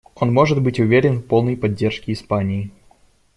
Он может быть уверен в полной поддержке Испании.